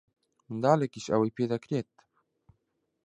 منداڵێکیش ئەوەی پێ دەکرێت.